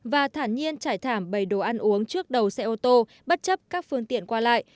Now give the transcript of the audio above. và thản nhiên trải thảm bầy đồ ăn uống trước đầu xe ô tô bất chấp các phương tiện qua lại